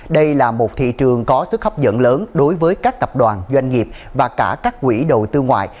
đây là một thị trường có sức hấp dẫn lớn đối với các tập đoàn doanh nghiệp và cả các quỹ đầu tư ngoại